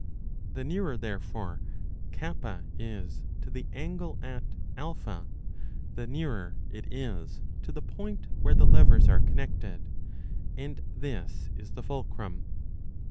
The nearer, therefore, K is to the angle at A, the nearer it is 10 to the point where the levers are connected, 4 and this is the fulcrum.